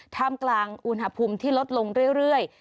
ท่ามกลางอุณหภูมิที่ลดลงเรื่อย